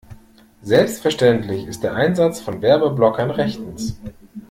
Selbstverständlich ist der Einsatz von Werbeblockern rechtens.